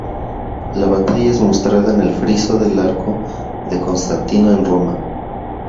La batalla es mostrada en el friso del Arco de Constantino en Roma.